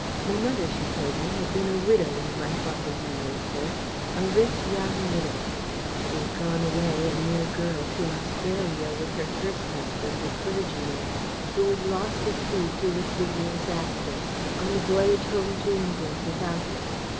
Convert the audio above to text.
My mother, she told me, had been a widow when my father married her a rich young widow. She had gone away, a mere girl, to Australia with her first husband, a clergyman, who was lost at sea two or three years after, on the voyage home to England without her.